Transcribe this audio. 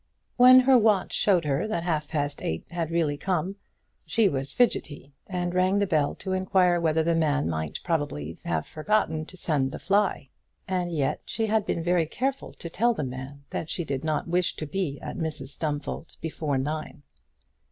When her watch showed her that half past eight had really come, she was fidgety, and rang the bell to inquire whether the man might have probably forgotten to send the fly; and yet she had been very careful to tell the man that she did not wish to be at Mrs Stumfold's before nine.